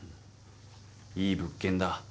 いい物件だ。